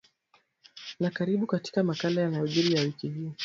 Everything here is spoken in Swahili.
na karibu katika makala ya yaliojiri wiki hii